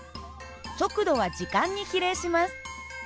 速度は時間に比例します。